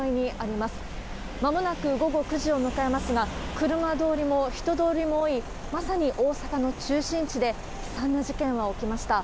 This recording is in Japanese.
まもなく午後９時を迎えますが、車通りも人通りも多い、まさに大阪の中心地で悲惨な事件は起きました。